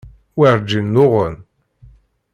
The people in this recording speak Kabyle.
Werǧin nnuɣen.